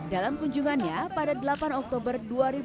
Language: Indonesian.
dalam kunjungannya pada delapan oktober dua ribu dua puluh